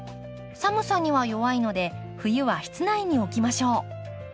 寒さには弱いので冬は室内に置きましょう。